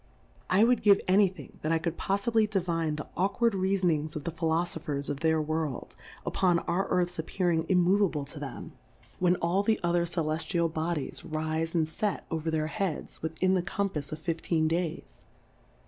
I would give any thing that I could poffibly divine the aw kard Reafonings of the Philofophers of their World, upon our Earth's ap pearing immoveable to them, when all 5)0 Difcourfes on the all the other Celeftlal Bodies rife and fet over their Heads, within the Com pafs of fifteen Days.